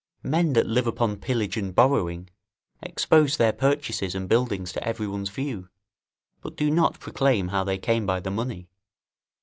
Men that live upon pillage and borrowing, expose their purchases and buildings to every one's view: but do not proclaim how they came by the money.